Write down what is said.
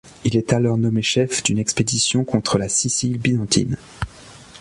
Il est alors nommé chef d'une expédition contre la Sicile byzantine.